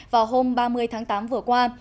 vào hôm ba mươi tháng tám vừa qua